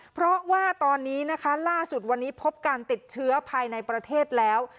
เพราะว่าตอนนี้นะคะล่าสุดวันนี้พบการติดเชื้อภายในประเทศแล้ว